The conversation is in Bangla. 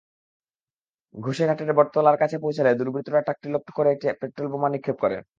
ঘোষেরহাটের বটতলার কাছে পৌঁছালে দুর্বৃত্তরা ট্রাকটিকে লক্ষ্য করে একটি পেট্রলবোমা নিক্ষেপ করে।